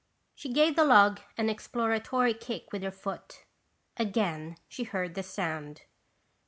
She gave the log an exploratory kick with her foot. Again she heard the sound.